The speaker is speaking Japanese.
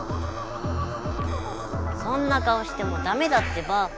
そんな顔してもダメだってば。